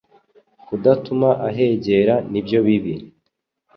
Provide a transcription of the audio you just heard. kudatuma ahegera nibyo bibi